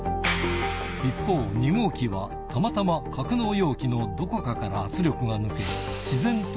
一方２号機はたまたま格納容器のどこかから圧力が抜け。